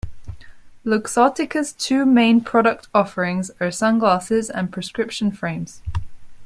Luxottica's two main product offerings are sunglasses and prescription frames.